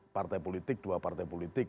partai politik dua partai politik